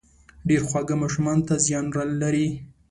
ډېر خواږه ماشومانو ته زيان لري